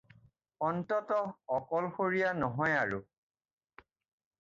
অন্ততঃ অকলশৰীয়া নহয় আৰু।